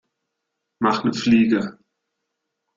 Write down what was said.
Mach 'ne Fliege!